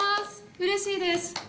うれしいです。